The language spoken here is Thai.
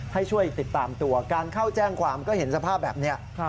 ให้ช่วยติดตามตัวการเข้าแจ้งความก็เห็นสภาพแบบนี้